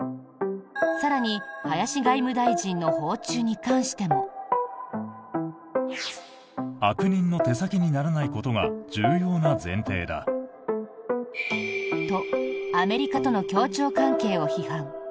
更に林外務大臣の訪中に関しても。と、アメリカとの協調関係を批判。